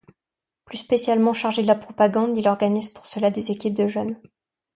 Plus spécialement chargé de la propagande, il organise pour cela des équipes de jeunes.